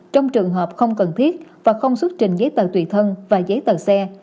trong trường hợp không cần thiết và không xuất trình giấy tờ tùy thân và giấy tờ xe